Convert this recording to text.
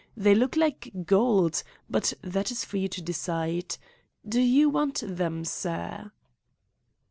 They look like gold; but that is for you to decide. Do you want them, sir?"